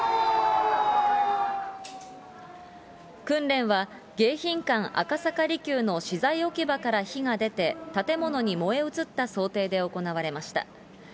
訓練は迎賓館赤坂離宮の資材置き場から火が出て、建物に燃え移った想定で行われました。